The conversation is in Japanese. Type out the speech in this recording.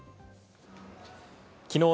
きのう